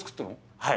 はい。